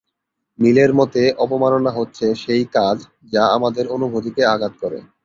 মিলের মতে, অবমাননা হচ্ছে, সেই কাজ যা "আমাদের অনুভূতিকে আঘাত করে"।